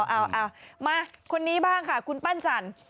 เอามาคนนี้บ้างค่ะคุณปั้นจันทร์